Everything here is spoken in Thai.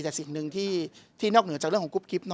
แต่สิ่งหนึ่งที่นอกเหนือจากกรุ๊ปคลิป